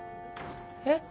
えっ？